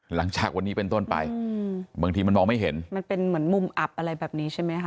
หลังจากวันนี้เป็นต้นไปอืมบางทีมันมองไม่เห็นมันเป็นเหมือนมุมอับอะไรแบบนี้ใช่ไหมคะ